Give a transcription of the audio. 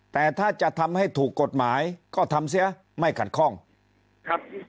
แต่ถ้าจะทำให้ถูกกฎหมายก็ทำเสียไม่ขัดข้องครับ